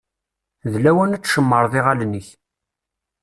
D lawan ad tcemmṛeḍ iɣallen-ik.